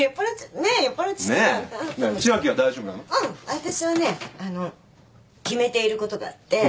私はね決めていることがあって。